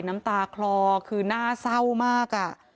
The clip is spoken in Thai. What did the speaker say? น้ำตาคลอคือน่าเศร้ามาก